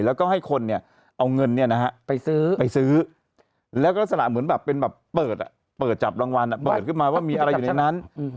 แล้วก็ให้คนเนี่ยเอาเงินไปซื้อและก็เหมือนเปล่าเปิดออกมาเปิดเจ็บรางวัลเดี๋ยวไว้คือมาว่ามีอะไรอยู่ในนั้นมีโทรศัพท์